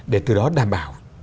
để từ đó đảm bảo